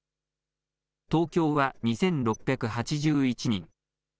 東京は２６８１人。